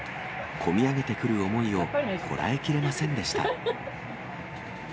込み上げてくる思いをこらえきれませんでした。